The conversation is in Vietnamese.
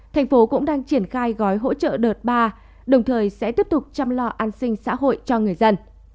thành phố cũng đang triển khai gói hỗ trợ đợt ba đồng thời sẽ tiếp tục chăm lo an sinh xã hội cho người dân